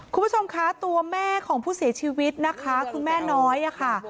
คุณผู้ชมคะตัวแม่ของผู้เสียชีวิตนะคะคุณแม่น้อยค่ะ